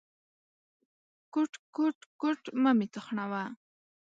_کوټ، کوټ، کوټ… مه مې تخنوه.